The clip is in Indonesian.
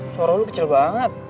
suara lo kecil banget